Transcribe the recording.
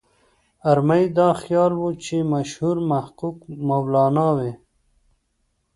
ارمایي دا خیال و چې مشهور محقق مولانا وي.